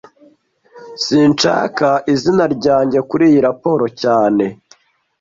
Sinshaka izina ryanjye kuri iyi raporo cyane